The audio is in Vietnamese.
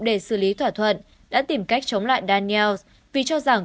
để xử lý thỏa thuận đã tìm cách chống lại daniels vì cho rằng